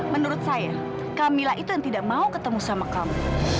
menurut saya kamilah itu yang tidak mau ketemu sama kamu